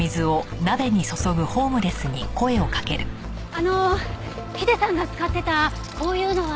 あのヒデさんが使ってたこういうのは？